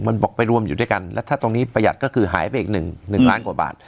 มันบอกไปรวมอยู่ด้วยกันแล้วถ้าตรงนี้ประหยัดก็คือหายไปอีกหนึ่งล้านกว่าบาท